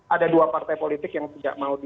ada dua partai politik yang tidak mau